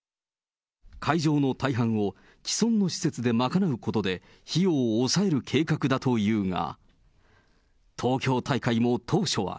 会場の大半を既存の施設で賄うことで費用を抑える計画だというが、東京大会も当初は。